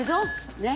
ねっ。